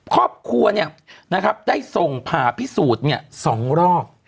ครอบครัวได้ส่งผ่าพิสูจน์๒รอบ